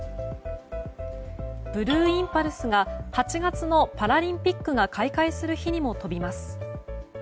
ブルーインパルスが８月の東京パラリンピックが開幕する日にも飛びます。